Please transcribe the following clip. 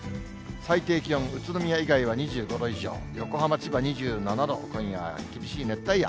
最低気温、宇都宮以外は２５度以上、横浜、千葉２７度、今夜は厳しい熱帯夜。